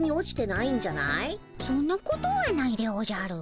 そんなことはないでおじゃる。